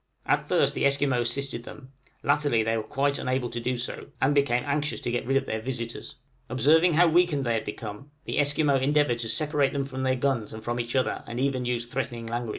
At first the Esquimaux assisted them; latterly they were quite unable to do so, and became anxious to get rid of their visitors. Observing how weakened they had become, the Esquimaux endeavored to separate them from their guns and from each other, and even used threatening language.